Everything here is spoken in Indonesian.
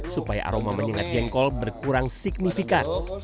supaya aroma menyengat jengkol berkurang signifikan